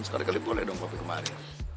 sekali kali boleh dong papi kemari